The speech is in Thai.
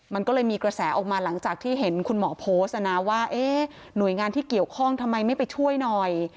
มันก็เลยมีกระแสออกมาหลังจากที่เห็นคุณหมอโพสต์นะว่าหน่วยงานที่เกี่ยวข้องทำไมไม่ไปช่วยหน่อย